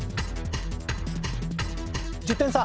１０点差。